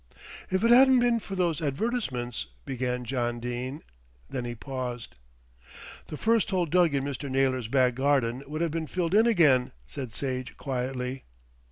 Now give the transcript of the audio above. "If it hadn't been for those advertisements " began John Dene, then he paused. "The first hole dug in Mr. Naylor's back garden would have been filled in again," said Sage quietly.